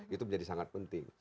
itu menjadi sangat penting